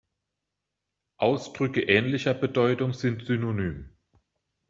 Ausdrücke ähnlicher Bedeutung sind synonym.